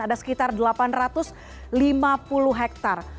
ada sekitar delapan ratus lima puluh hektare